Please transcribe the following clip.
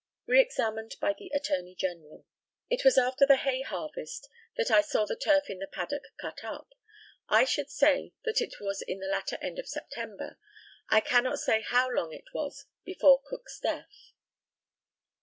Re examined by the ATTORNEY GENERAL: It was after the hay harvest that I saw the turf in the paddock cut up. I should say that it was in the latter end of September. I cannot say how long it was before Cook's death.